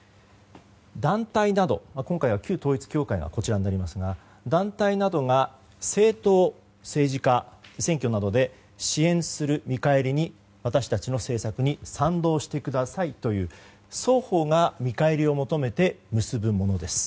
団体など、今回は旧統一教会がこちらになりますが団体などが政党、政治家を選挙などで支援する見返りに私たちの政策に賛同してくださいという双方が見返りを求めて結ぶものです。